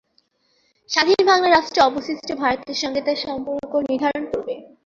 স্বাধীন বাংলা রাষ্ট্র অবশিষ্ট ভারতের সঙ্গে তার সম্পর্ক নির্ধারণ করবে।